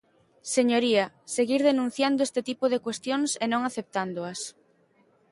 Señoría, seguir denunciando este tipo de cuestións e non aceptándoas.